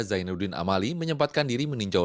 zainuddin amali menyempatkan diri meninjau